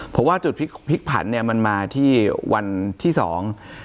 เพราะว่าจุดพลิกผันเนี้ยมันมาที่วันที่สอง